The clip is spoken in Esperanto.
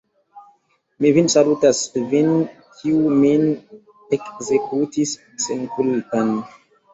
Mi vin salutas, vin, kiu min ekzekutis senkulpan!